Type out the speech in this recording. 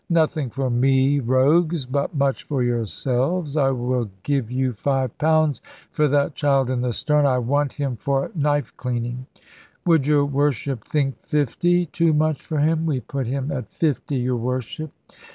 "Nothing for me, rogues; but much for yourselves. I will give you five pounds for that child in the stern. I want him for knife cleaning." "Would your Worship think fifty too much for him? We put him at fifty, your Worship."